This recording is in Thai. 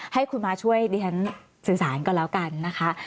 ให้คุณมาช่วยดิฉันสื่อสารก่อนแล้วกันนะคะ